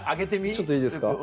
ちょっといいですか。